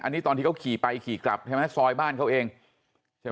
อันนี้ตอนที่เขาขี่ไปขี่กลับใช่ไหมซอยบ้านเขาเองใช่ไหม